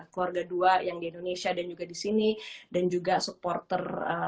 keluarga dua yang di indonesia dan juga di sini dan juga supporter